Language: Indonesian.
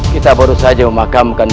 kita baru saja memakamkan